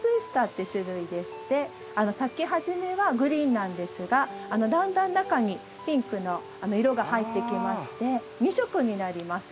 ’って種類でして咲き始めはグリーンなんですがだんだん中にピンクの色が入ってきまして２色になります。